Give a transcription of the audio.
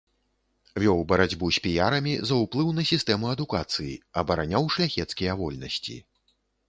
Вёў барацьбу з піярамі за ўплыў на сістэму адукацыі, абараняў шляхецкія вольнасці.